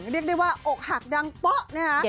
เรียกได้ว่าอกหักดังเป๊ะนะคะ